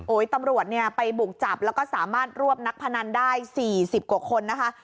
ตำรวจเนี่ยไปบุกจับแล้วก็สามารถรวบนักพนันได้๔๐กว่าคนนะคะ